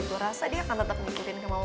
gue rasa dia akan tetep ngikutin kemauan gue